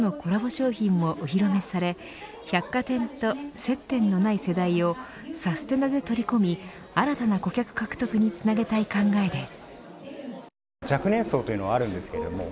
商品もお披露目され百貨店と接点のない世代をサステナで取り込み新たな顧客獲得につなげたい考えです。